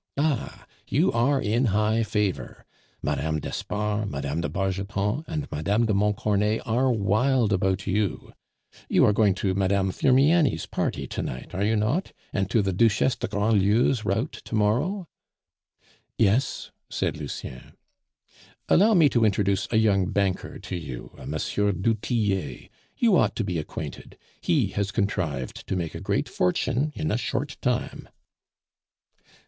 "Ah! you are in high favor. Mme. d'Espard, Mme. de Bargeton, and Mme. de Montcornet are wild about you. You are going to Mme. Firmiani's party to night, are you not, and to the Duchesse de Grandlieu's rout to morrow?" "Yes," said Lucien. "Allow me to introduce a young banker to you, a M. du Tillet; you ought to be acquainted, he has contrived to make a great fortune in a short time."